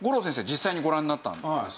実際にご覧になったんですよね。